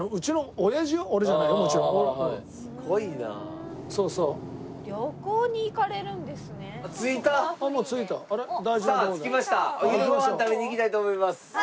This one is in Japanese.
お昼ご飯食べに行きたいと思います。